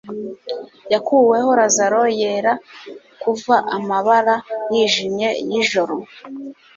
Yakuweho Lazaro yera kuva amabara yijimye yijoro